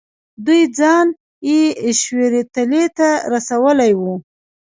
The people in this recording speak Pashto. دوی ځان یې شیورتیلي ته رسولی وو.